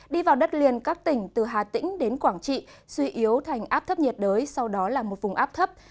đi vào đất liền các tỉnh từ hà tĩnh đến quảng trị suy yếu thành áp thấp nhiệt đới sau đó là một vùng áp thấp